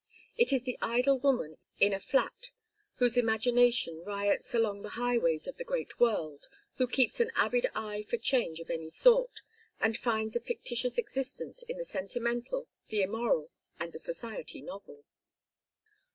It is the idle woman in a flat whose imagination riots along the highways of the great world, who keeps an avid eye for change of any sort, and finds a fictitious existence in the sentimental, the immoral, and the society novel.